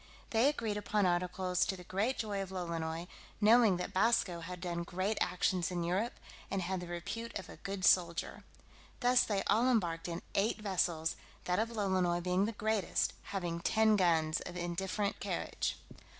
They agreed upon articles to the great joy of Lolonois, knowing that Basco had done great actions in Europe, and had the repute of a good soldier. Thus they all embarked in eight vessels, that of Lolonois being the greatest, having ten guns of indifferent carriage.